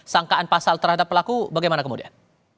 sangkaan pasal terhadap pelaku bagaimana kemudian